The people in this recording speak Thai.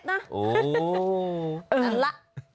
นั่นล่ะ